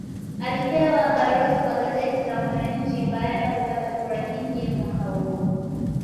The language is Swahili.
Alipewa balozi wa gazeti la mwananchi baada ya kupata kura nyingi mwaka huo